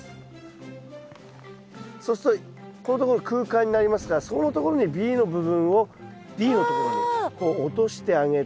そうするとここのところ空間になりますからそこのところにＢの部分をＤのところにこう落としてあげて。